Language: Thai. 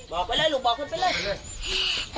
บอกไปเลยลูกบอกคุณไปเลย